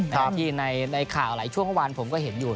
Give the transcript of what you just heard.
ที่ในข่าวหลายช่วงผ่านผมเห็นอยู่